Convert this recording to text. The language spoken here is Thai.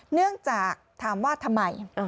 เนื่องจากถามว่าทำไม